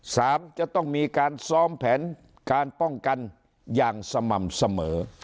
จะต้องมีการซ้อมแผนการป้องกันอย่างสม่ำเสมอ